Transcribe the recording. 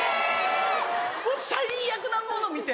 もう最悪なものを見て。